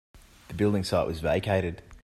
The building site was vacated.